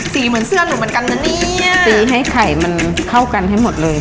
เหมือนเสื้อหนูเหมือนกันนะเนี่ยสีให้ไข่มันเข้ากันให้หมดเลย